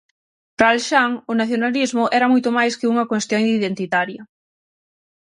Para Alxán o nacionalismo era moito máis que unha cuestión identitaria.